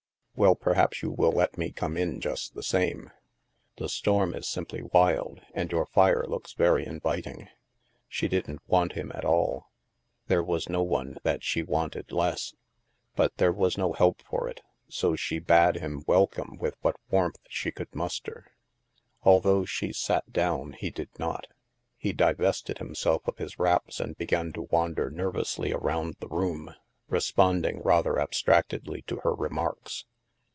" Well, perhaps you will let me come in just the same. The storm is simply wild, and your fire looks very inviting." She didn't want him at all. There was no one that she wanted less. But there was no help for it, so she bade him welcome with what warmth she could muster. Although she sat down, he did not. He divested himself of his wraps and began to wander nervously around the room, responding rather abstractedly to her remarks.